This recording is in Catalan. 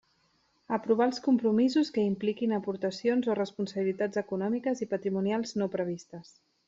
Aprovar els compromisos que impliquin aportacions o responsabilitats econòmiques i patrimonials no previstes.